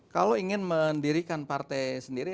kalau ingin mendirikan partai sendiri